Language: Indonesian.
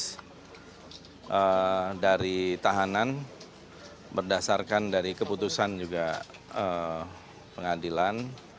saya berharap dari tahanan berdasarkan dari keputusan juga pengadilan